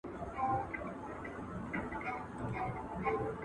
زه اوږده وخت کتابتوننۍ سره تېرووم؟